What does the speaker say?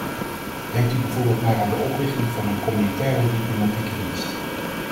Denkt u bijvoorbeeld maar aan de oprichting van een communautaire diplomatieke dienst.